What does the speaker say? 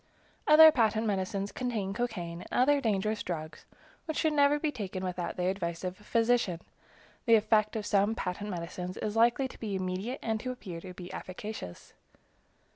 Other patent medicines contain cocaine and other dangerous drugs, which never should be taken without the advice of a physician. The effect of some patent medicines is likely to be immediate and to appear to be efficacious.